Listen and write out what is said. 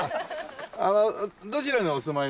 どちらにお住まいなの？